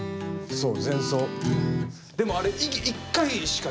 そう。